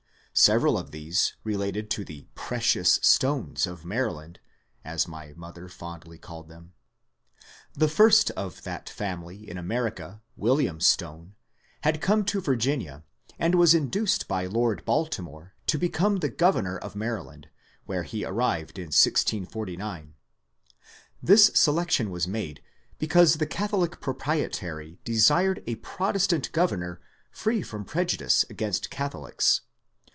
Several of these related to the *^ Precious Stones" of Maryland, as my mother fondly called them. The first of that family in America, William Stone, had come to Virginia, and was induced by Lord Baltimore to become the governor of Maryland, where he arrived in 1649. This selection was made because the Catholic Proprietary desired a Protestant governor free from prejudice against Catholics.